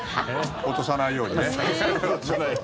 落とさないようにね。